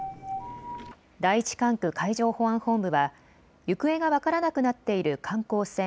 第１管区海上保安本部は行方が分からなくなっている観光船